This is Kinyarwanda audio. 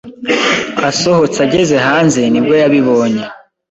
asohotse ageze hanze nibwo yabibonye